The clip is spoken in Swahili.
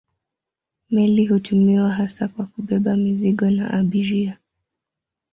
Meli hutumiwa hasa kwa kubeba mizigo na abiria.